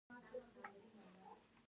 ټاکنې، ټاکل، ټاکلی، ټاکلي، ټاکلې